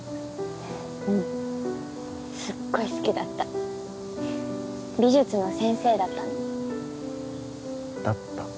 うんすっごい好きだった美術の先生だったのだった？